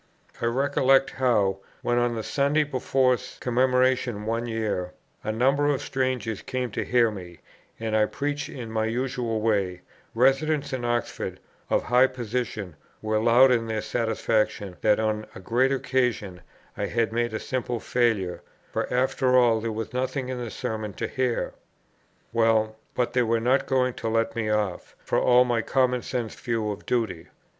I recollect how, when on the Sunday before Commemoration one year, a number of strangers came to hear me, and I preached in my usual way, residents in Oxford, of high position, were loud in their satisfaction that on a great occasion, I had made a simple failure, for after all there was nothing in the Sermon to hear. Well, but they were not going to let me off, for all my common sense view of duty.